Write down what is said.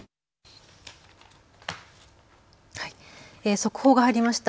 速報が入りました。